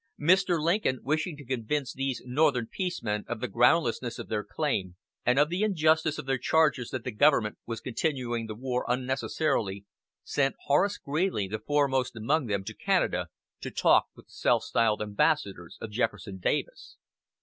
Mr. Lincoln, wishing to convince these northern "Peace men" of the groundlessness of their claim, and of the injustice of their charges that the government was continuing the war unnecessarily, sent Horace Greeley, the foremost among them, to Canada, to talk with the self styled ambassadors of Jefferson Davis.